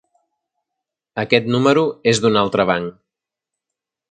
Aquest número és d'un altre banc.